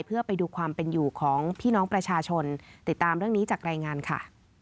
เพื่อไปดูความเป็นอยู่ของพี่น้องประชาชนติดตามเรื่องนี้จากรายงานค่ะ